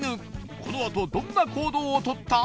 このあとどんな行動をとった？